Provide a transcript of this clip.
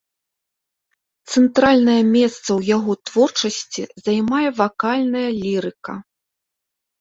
Цэнтральнае месца ў яго творчасці займае вакальная лірыка.